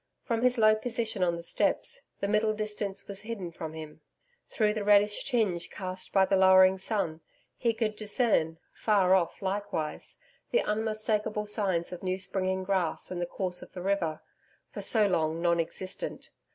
From his low position on the steps, the middle distance was hidden from him. Through the reddish tinge cast by the lowering sun, he could discern, far off likewise, the unmistakable signs of new springing grass and the course of the river, for so long non existent.